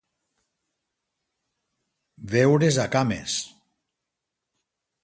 Veure's a cames.